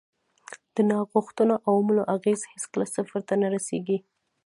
د ناغوښتو عواملو اغېز هېڅکله صفر ته نه رسیږي.